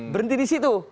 berhenti di situ